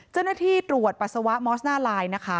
เจ้าหน้าที่ตรวจปัสสาวะมอสหน้าลายนะคะ